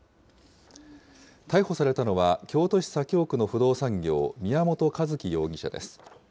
逮捕されたのは、京都市左京区の不動産業、宮本一希容疑者です。